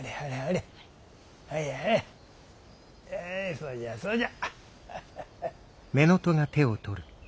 そうじゃそうじゃ。